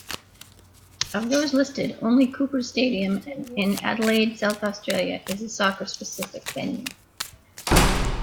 Of those listed, only Coopers Stadium in Adelaide, South Australia is a soccer-specific venue.